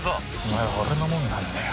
お前、俺のもんなんだよ